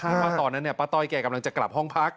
เพราะว่าตอนนั้นป้าต้อยแกกำลังจะกลับห้องพัก